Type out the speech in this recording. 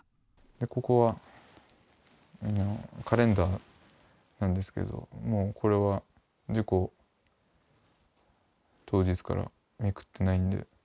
ここはカレンダーなんですけど、もうこれは、事故当日からめくってないんで。